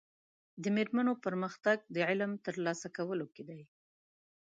د مېرمنو پرمختګ په علمي ترلاسه کولو کې دی.